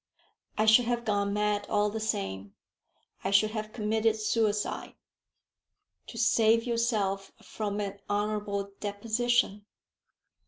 "I should have gone mad all the same. I should have committed suicide." "To save yourself from an honourable deposition!"